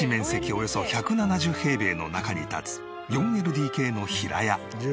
およそ１７０平米の中に立つ４ＬＤＫの平屋。